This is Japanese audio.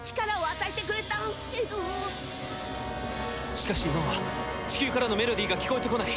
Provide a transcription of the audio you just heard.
しかし今は地球からのメロディーが聴こえてこない。